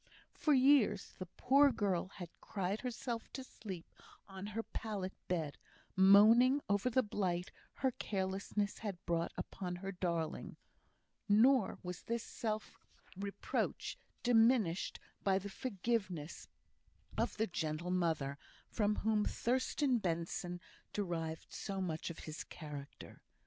For years the poor girl had cried herself to sleep on her pallet bed, moaning over the blight her carelessness had brought upon her darling; nor was this self reproach diminished by the forgiveness of the gentle mother, from whom Thurstan Benson derived so much of his character.